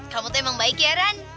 kamu tuh emang baik ya ran